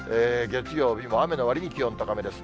月曜日も雨のわりに気温高めです。